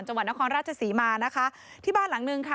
จังหวัดนครราชศรีมานะคะที่บ้านหลังนึงค่ะ